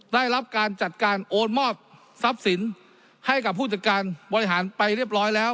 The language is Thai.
ได้รับการจัดการโอนมอบทรัพย์สินให้กับผู้จัดการบริหารไปเรียบร้อยแล้ว